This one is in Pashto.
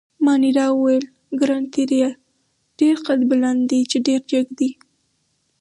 مانیرا وویل: ګراناتیریا ډېر قدبلند دي، چې ډېر جګ دي.